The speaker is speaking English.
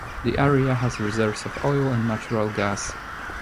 The area has reserves of oil and natural gas.